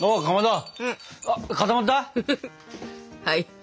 はい。